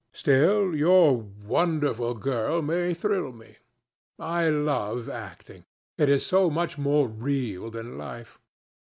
Still, your wonderful girl may thrill me. I love acting. It is so much more real than life.